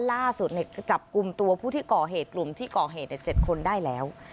ล่าสุดจับกลุ่มตัวผู้ที่ก่อเหตุกลุ่มที่ก่อเหตุ๗คนได้แล้ว